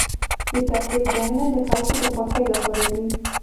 د تفریح ځایونه د خلکو د خوښۍ لپاره دي.